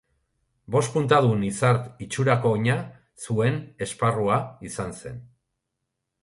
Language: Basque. Bost puntadun izar itxurako oina zuen esparrua izan zen.